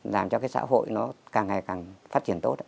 làm cho cái xã hội nó càng ngày càng phát triển tốt